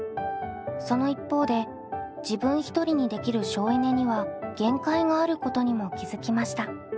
その一方で自分一人にできる省エネには限界があることにも気付きました。